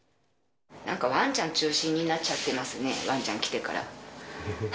なんかわんちゃん中心になっちゃってますね、わんちゃん来てから。